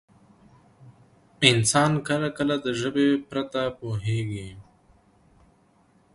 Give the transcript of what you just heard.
انسان کله کله د ژبې پرته پوهېږي.